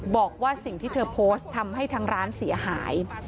บอกว่าสิ่งที่เธอโพสต์ทำให้ทางร้านเสียหาย